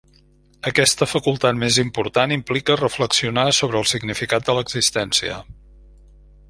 Aquesta facultat més important implica reflexionar sobre el significat de l'existència.